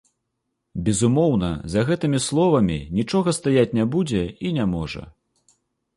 Безумоўна, за гэтымі словамі нічога стаяць не будзе і не можа.